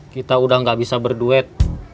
kita udah gak bisa berduet